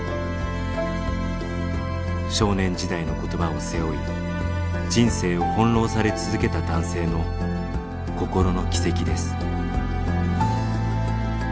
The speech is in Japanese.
少年時代の言葉を背負い人生を翻弄され続けた男性の心の軌跡です。